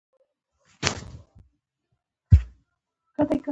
ماغزه د سر د کاسې په واسطه ساتل کېږي.